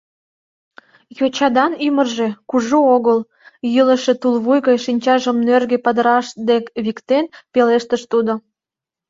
«Йочадан ӱмыржӧ кужу огыл», — йӱлышӧ тулвуй гай шинчажым нӧргӧ падыраш дек виктен пелештыш тудо.